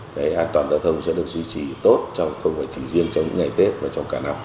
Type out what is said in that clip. cái an toàn giao thông sẽ được duy trì tốt không phải chỉ riêng trong những ngày tết và trong cả năm